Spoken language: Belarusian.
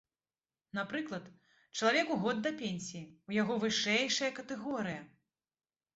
Напрыклад, чалавеку год да пенсіі, у яго вышэйшая катэгорыя.